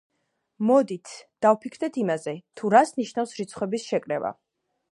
მოდით, დავფიქრდეთ იმაზე, თუ რას ნიშნავს რიცხვების შეკრება.